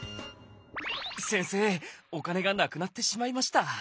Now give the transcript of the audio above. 先生お金がなくなってしまいました。